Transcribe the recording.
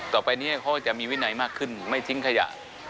ต่อไปนี้เขาก็จะมีวินัยมากขึ้นไม่ทิ้งขยะ